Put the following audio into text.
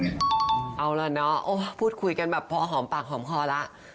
เอาล่ะเนาะพูดคุยกันแบบพอหอมปากหอมคอแล้ว